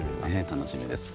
楽しみです。